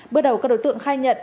bước đầu các đối tượng khai nhỏ